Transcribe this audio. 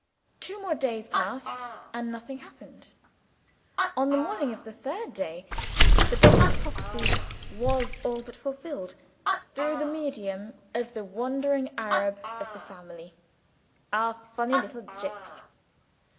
Two more days passed, and nothing happened. On the morning of the third day, the doctor's prophecy was all but fulfilled, through the medium of the wandering Arab of the family, our funny little Jicks.